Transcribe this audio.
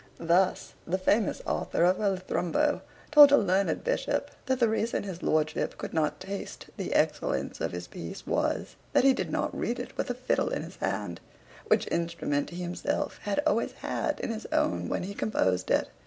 Thus the famous author of Hurlothrumbo told a learned bishop, that the reason his lordship could not taste the excellence of his piece was, that he did not read it with a fiddle in his hand; which instrument he himself had always had in his own, when he composed it.